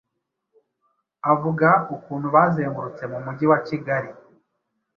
Avuga ukuntu bazengurutse mu mujyi wa Kigali,